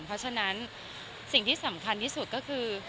เพราะฉะนั้นสิ่งที่สำคัญที่สุดก็คือ